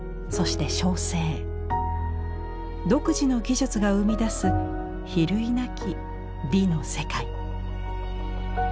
独自の技術が生み出す比類なき美の世界。